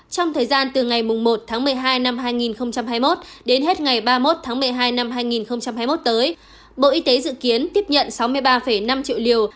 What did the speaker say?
trong thời gian từ ngày một tháng một mươi hai năm hai nghìn hai mươi một đến hết ngày ba mươi một tháng một mươi hai năm hai nghìn hai mươi một tới bộ y tế dự kiến tiếp nhận sáu mươi ba năm triệu liều